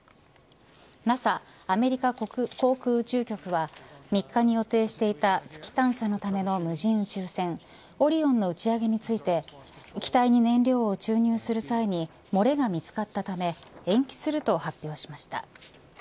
アメリカ航空宇宙局は３日に予定していた月探査のための無人宇宙船オリオンの打ち上げについて機体に燃料を注入する際に漏れが見つかったため延期すると発表しました。